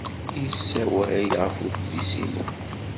Yessawel ɣef udlis-inu?